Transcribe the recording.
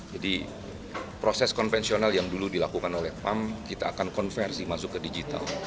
jadi proses konvensional yang dulu dilakukan oleh pam kita akan konversi masuk ke digital